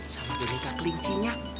sama denika kelincinya